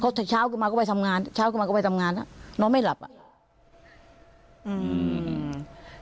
เขาเช้ามาก็ไปทำงานเช้ามาก็ไปทำงานอ่ะนอนไม่หลับอ่ะ